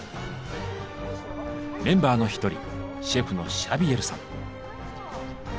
メンバーの一人シェフのシャビエルさん。